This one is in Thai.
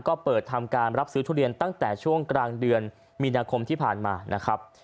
ก็เปิดทำการรับซื้อทุเรียนตั้งแต่ช่วงกลางเดือนมีนาคมที่ผ่านมานะครับ